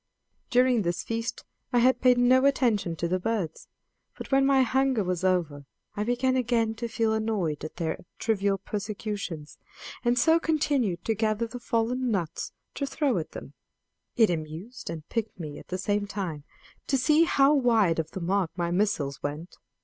During this feast I had paid no attention to the birds, but when my hunger was over I began again to feel annoyed at their trivial persecutions, and so continued to gather the fallen nuts to throw at them. It amused and piqued me at the same time to see how wide of the mark my missiles went.